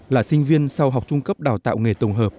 là sinh viên sau học trung cấp đào tạo nghề tổng hợp